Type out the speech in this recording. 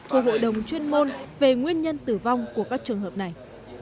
của hội đồng chuyên môn về nguyên nhân tử vong của các trường hợp này